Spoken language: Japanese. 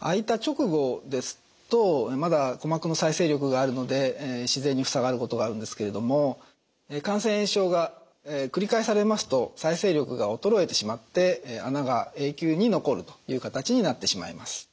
開いた直後ですとまだ鼓膜の再生力があるので自然に塞がることがあるんですけれども感染症が繰り返されますと再生力が衰えてしまって穴が永久に残るという形になってしまいます。